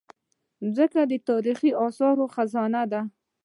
مځکه د تاریخي اثارو خزانه ده.